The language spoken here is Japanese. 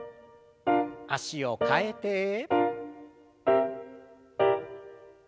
脚を替えて。